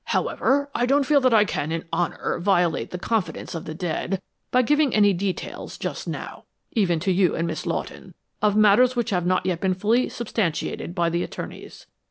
However, I don't feel that I can, in honor, violate the confidence of the dead by giving any details just now even to you and Miss Lawton of matters which have not yet been fully substantiated by the attorneys.